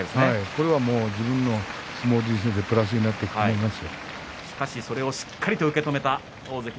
この相撲は相撲人生でプラスになっていくと思います。